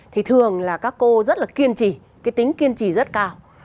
thì thường là các cô rất là kiên trì cái tính kiên trì rất cao